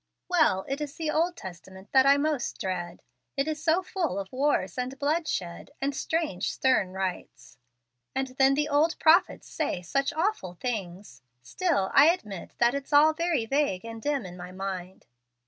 "Well it is the Old Testament that I most dread. It is so full of wars and bloodshed, and strange, stern rites. And then the old prophets say such awful things! Still, I admit that it's all very vague and dim in my mind.